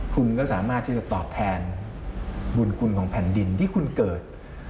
คุณก็สามารถที่จะตอบแทนบุญคุณของแผ่นดินที่คุณเกิด